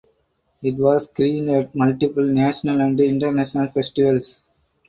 It was screened at multiple national and international festivals.